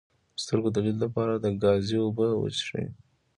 د سترګو د لید لپاره د ګازرې اوبه وڅښئ